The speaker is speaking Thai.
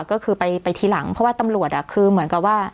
ก็คือไปทีหลังเพราะว่าตำรวจคือเหมือนกับว่า